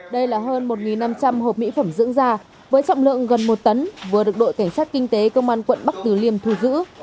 đây là hơn một năm trăm linh hộp mỹ phẩm dưỡng da với trọng lượng gần một tấn vừa được đội cảnh sát kinh tế công an quận bắc từ liêm thu giữ